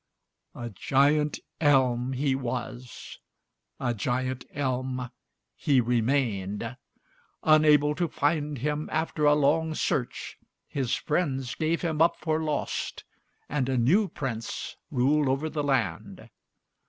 A giant elm he was; a giant elm he remained. Unable to find him after a long search, his friends gave him up for lost, and a new Prince ruled over the land.